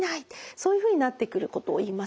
そういうふうになってくることをいいます。